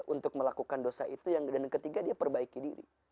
untuk melakukan dosa itu yang ketiga dia perbaiki diri